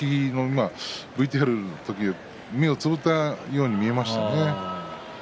ＶＴＲでは目をつぶったように見えましたね。